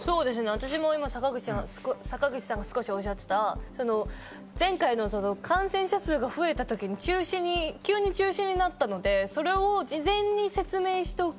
私も坂口さんが少しおっしゃった前回の感染者数が増えた時に急に中止になったので事前に説明しておく。